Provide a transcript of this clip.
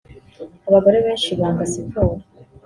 Abagore benshi banga siporo